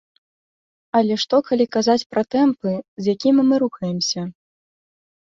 Але што калі казаць пра тэмпы, з якімі мы рухаемся?